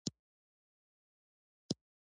ازادي راډیو د اقتصاد په اړه څېړنیزې لیکنې چاپ کړي.